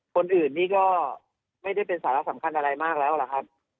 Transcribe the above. คนอื่นนี่ก็ไม่ได้เป็นสาระสำคัญอะไรมากแล้วล่ะครับ